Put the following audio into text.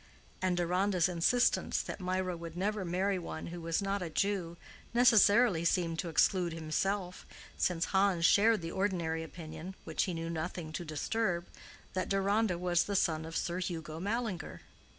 And Deronda's insistence that Mirah would never marry one who was not a Jew necessarily seemed to exclude himself, since Hans shared the ordinary opinion, which he knew nothing to disturb, that Deronda was the son of Sir Hugo Mallinger.